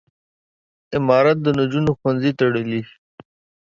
امارت د نجونو ښوونځي تړلي.